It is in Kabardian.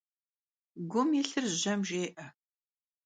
Gum yilhır jem jjê'e.